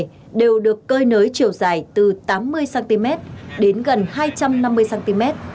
đầu này đều được cơi nới chiều dài từ tám mươi cm đến gần hai trăm năm mươi cm